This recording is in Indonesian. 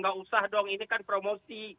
nggak usah dong ini kan promosi